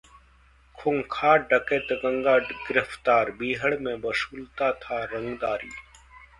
खूंखार डकैत गंगा गिरफ्तार, बीहड़ में वसूलता था रंगदारी